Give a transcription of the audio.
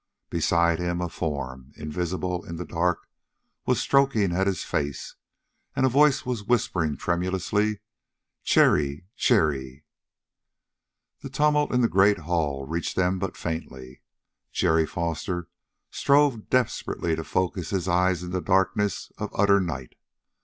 Beside him, a form, invisible in the dark, was stroking at his face, and a voice was whispering tremulously: "Cherrie ... Cherrie!" The tumult in the great hall reached them but faintly. Jerry Foster strove desperately to focus his eyes in that darkness of utter night.